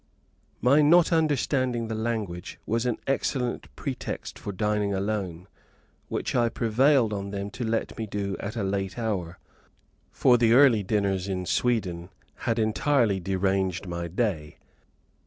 My not understanding the language was an excellent pretext for dining alone, which I prevailed on them to let me do at a late hour, for the early dinners in Sweden had entirely deranged my day.